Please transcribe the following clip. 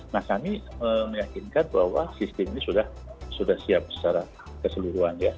nah kami meyakinkan bahwa sistem ini sudah siap secara keseluruhan ya